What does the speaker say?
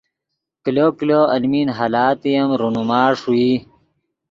کلو کلو المین حالاتے ام رونما ݰوئی